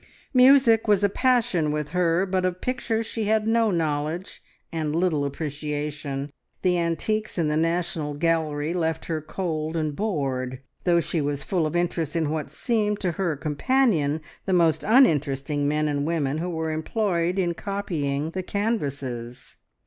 Music was a passion with her, but of pictures she had no knowledge, and little appreciation. The antiques in the National Gallery left her cold and bored, though she was full of interest in what seemed to her companion the most uninteresting men and women who were employed in copying the canvases.